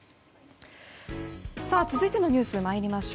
続いてのニュースに参ります。